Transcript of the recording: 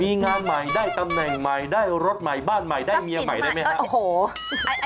มีงานใหม่ได้ตำแหน่งใหม่ได้รถใหม่บ้านใหม่ได้เมียใหม่ได้ไหมครับโอ้โห